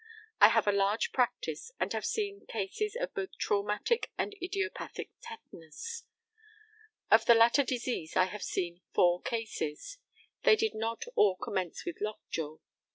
I have a large practice, and have seen cases of both traumatic and idiopathic tetanus. Of the latter disease I have seen four cases. They did not all commence with lockjaw.